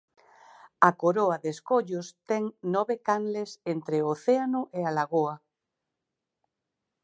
A coroa de escollos ten nove canles entre o océano e a lagoa.